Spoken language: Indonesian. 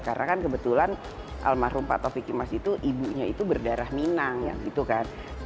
karena kan kebetulan almarhum pak ataufik kimas itu ibunya itu berdarah minang gitu kan